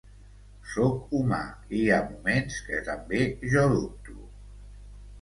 Sóc humà i hi ha moments que també jo dubto.